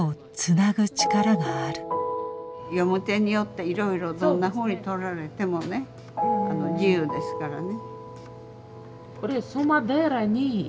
読み手によっていろいろどんなふうにとられてもね自由ですからね。